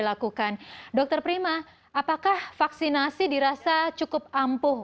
dan imunisasi terbukti cukup ampuh